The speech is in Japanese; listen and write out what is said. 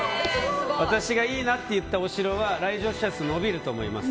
私がいいなって言ったお城は来場者数が伸びると思います。